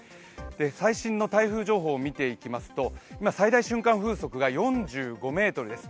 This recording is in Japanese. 最新の台風情報を見ていきますと今、最大瞬間風速が４５メートルです。